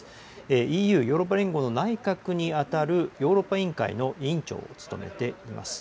ＥＵ・ヨーロッパ連合の内閣に当たるヨーロッパ委員会の委員長を務めています。